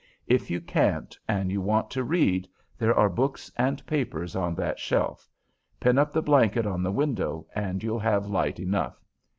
If you can't, and you want to read, there are books and papers on that shelf; pin up the blanket on the window, and you'll have light enough.